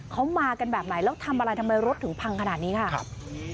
เขามากันแบบไหนแล้วทำอะไรทำไมรถถึงพังขนาดนี้ค่ะครับ